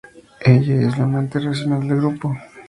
Ella es la mente racional del grupo.